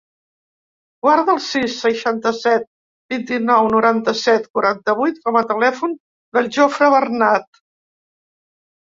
Guarda el sis, seixanta-set, vint-i-nou, noranta-set, quaranta-vuit com a telèfon del Jofre Bernad.